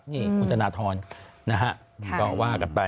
นี่คุณธนทรนะฮะก็ว่ากันไป